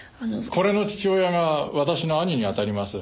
これの父親が私の兄に当たります。